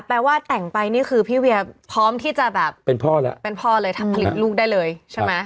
แปลว่าแต่งไปนี่คือพี่เวียพร้อมที่จะแบบเป็นพ่อแล้วเป็นพ่อเลยทำผลิตลูกได้เลยใช่ไหม